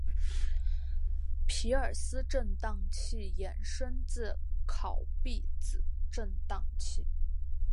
皮尔斯震荡器衍生自考毕子振荡器。